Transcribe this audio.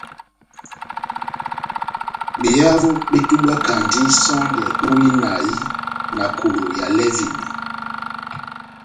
Behavo betubwakandi sɔndɛ hú inahi na kolo ya lɛvini.